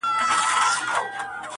o تاريخ د درد شاهد پاتې کيږي,